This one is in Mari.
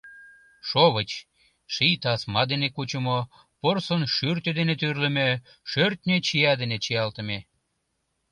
Шовыч — ший тасма дене кучымо, порсын шӱртӧ дене тӱрлымӧ, шӧртньӧ чия дене чиялтыме.